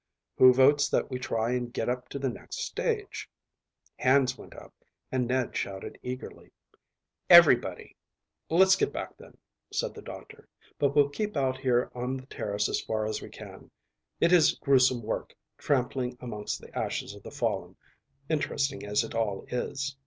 "Who votes that we try and get up to the next stage?" Hands went up, and Ned shouted eagerly "Everybody." "Let's get back, then," said the doctor; "but we'll keep out here on the terrace as far as we can. It is gruesome work trampling amongst the ashes of the fallen, interesting as it all is."